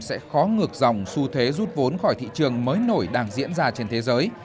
sẽ khó ngược dòng xu thế rút vốn khỏi thị trường mới nổi đang diễn ra trên thế giới